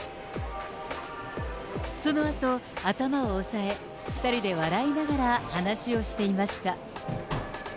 そのあと、頭を押さえ、２人で笑いながら、話をしていました。